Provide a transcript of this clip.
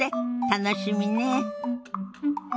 楽しみねえ。